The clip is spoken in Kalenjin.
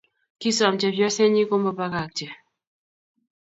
Kisom chepyosenyi komabakakche